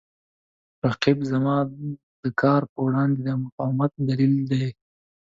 رقیب زما د کار په وړاندې د مقاومت دلیل دی